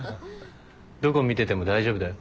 どこ見てても大丈夫だよ。